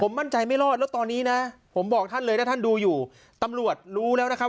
มั่นใจไม่รอดแล้วตอนนี้นะผมบอกท่านเลยถ้าท่านดูอยู่ตำรวจรู้แล้วนะครับ